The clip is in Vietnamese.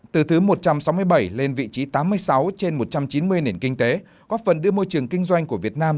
từ thứ một trăm sáu mươi bảy lên vị trí tám mươi sáu trên một trăm chín mươi nền kinh tế góp phần đưa môi trường kinh doanh của việt nam